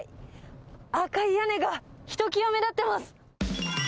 赤い屋根がひときわ目立ってます。